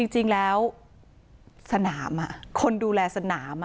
จริงแล้วสนามคนดูแลสนาม